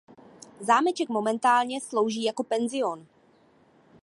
Zámeček momentálně slouží jako penzion.